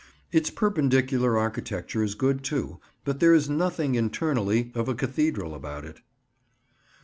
Its Perpendicular architecture is good, too, but there is nothing, internally, of a cathedral about it.